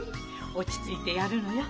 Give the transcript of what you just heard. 落ち着いてやるのよ。